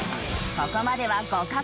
ここまでは互角。